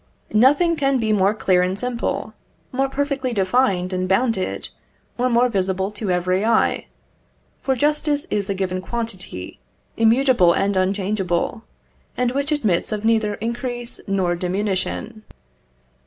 Nothing can be more clear and simple, more perfectly defined and bounded, or more visible to every eye; for justice is a given quantity, immutable and unchangeable, and which admits of neither increase or diminution.